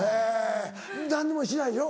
何にもしないでしょ？